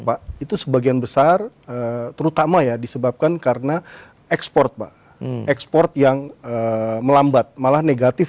pak itu sebagian besar terutama ya disebabkan karena ekspor pak ekspor yang melambat malah negatif